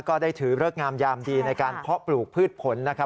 ก็ได้ถือเลิกงามยามดีในการเพาะปลูกพืชผลนะครับ